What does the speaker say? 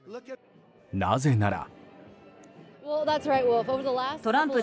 なぜなら。